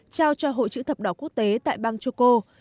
trao cho hội chữ thập đỏ quốc tế tại bang trung quốc